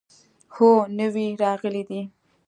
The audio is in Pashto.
هو، نوي راغلي دي